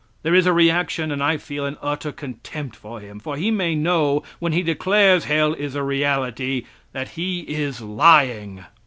Then there is a reaction, and I feel an utter contempt for him, for he may know, when he declares hell is a reality, that he is lying!